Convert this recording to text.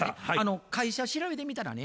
会社調べてみたらね